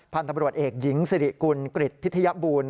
พันธ์ตำรวจเอกหญิงสิริกุลกริจพิธยบูรณ์